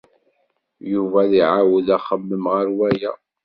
Yuba ad iɛawed axemmem ɣer waya.